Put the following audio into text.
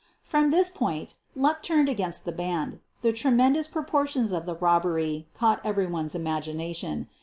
From this point luck turned against the band. The tremendous proportions of the robbery caught everyone's imagination.